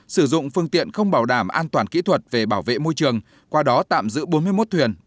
sử dụng phương tiện không bảo đảm an toàn kỹ thuật về bảo vệ môi trường qua đó tạm giữ bốn mươi một thuyền